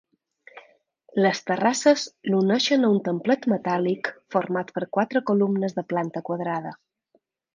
Les terrasses l'uneixen a un templet metàl·lic format per quatre columnes de planta quadrada.